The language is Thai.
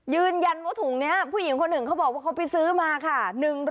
ยืนยันว่าถุงนี้ผู้หญิงคนหนึ่งเขาบอกว่าเขาไปซื้อมาค่ะ